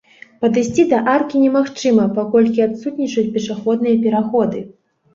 Падысці да аркі немагчыма, паколькі адсутнічаюць пешаходныя пераходы.